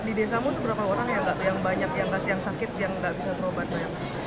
di desamu berapa orang yang sakit yang tidak bisa berobat banyak